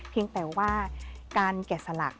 เพียงแต่ว่าการแกะสลัก